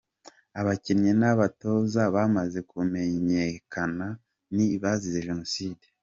Abakinnyi n’abatoza bamaze kumenyekana ni bazize Jenoside:.